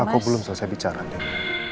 aku belum selesai bicara deh